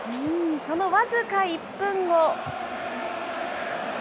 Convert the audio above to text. その僅か１分後。